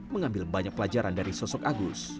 mengambil banyak pelajaran dari sosok agus